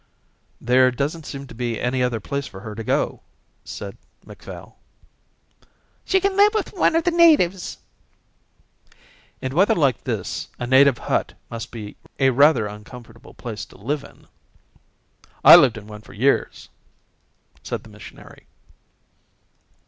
"There doesn't seem to be any other place for her to go," said Macphail. "She can live with one of the natives." "In weather like this a native hut must be a rather uncomfortable place to live in." "I lived in one for years," said the missionary.